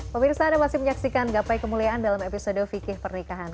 pemirsa ada masih menyaksikan gapai kemuliaan dalam episode fikih pernikahan